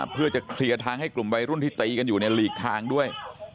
เพื่อจะเคลียร์ทางให้กลุ่มวัยรุ่นที่ตีกันอยู่ในหลีกทางด้วย